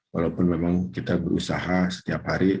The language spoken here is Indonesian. walaupun memang kita berusaha setiap hari